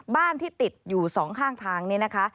บ้านที่ติดอยู่สองข้างทางนี้นะคะ